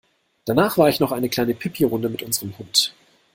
Danach war ich noch eine kleine Pipirunde mit unserem Hund.